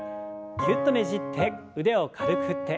ぎゅっとねじって腕を軽く振って。